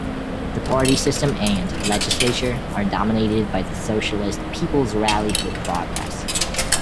The party system and legislature are dominated by the socialist People's Rally for Progress.